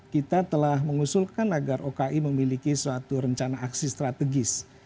kita telah mengusulkan agar oki memiliki suatu rencana aksi strategis